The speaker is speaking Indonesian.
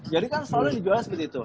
jadi kan selalu dijualnya seperti itu